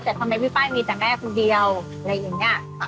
แต่ทำไมพี่ป้ายมีแต่แม่คนเดียวอะไรอย่างนี้